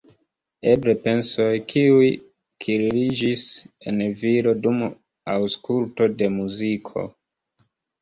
Eble pensoj, kiuj kirliĝis en viro dum aŭskulto de muziko.